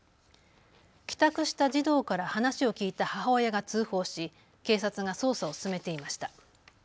帰宅した児童から話を聞いた母親が通報し警察が捜査を進めていました。